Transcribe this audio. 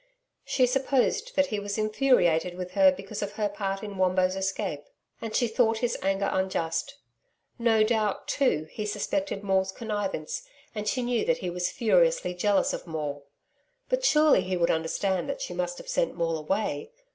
She supposed that he was infuriated with her because of her part in Wombo's escape, and she thought his anger unjust. No doubt, too, he suspected Maule's connivance, and she knew that he was furiously jealous of Maule. But surely he would understand that she must have sent Maule away.